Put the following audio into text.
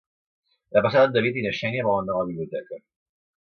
Demà passat en David i na Xènia volen anar a la biblioteca.